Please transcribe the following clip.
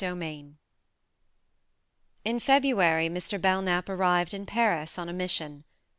. VIII IN February Mr. Belknap arrived in Paris on a mission.